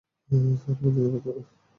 Sir, আমাদের করতে হবে।